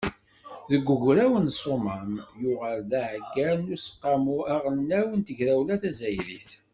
Deg ugraw n Ṣṣumam yuɣal d aɛeggal n Useqqamu Aɣelnaw n Tegrawla Tazzayrit.